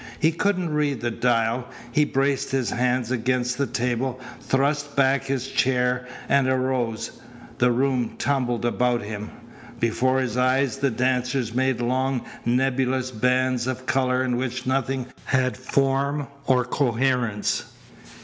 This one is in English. He couldn't read the dial. He braced his hands against the table, thrust back his chair, and arose. The room tumbled about him. Before his eyes the dancers made long nebulous bands of colour in which nothing had form or coherence.